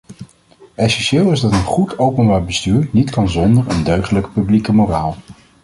Essentieel is dat een goed openbaar bestuur niet kan zonder een deugdelijke publieke moraal.